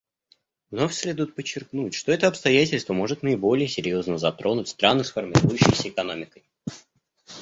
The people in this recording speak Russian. Вновь следует подчеркнуть, что это обстоятельство может наиболее серьезно затронуть страны с формирующейся экономикой.